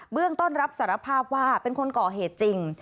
เรื่องต้นรับสารภาพว่าเป็นคนก่อเหตุจริง